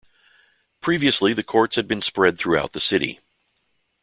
Previously the courts had been spread throughout the city.